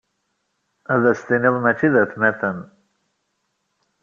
Ad as-tiniḍ mačci d atmaten.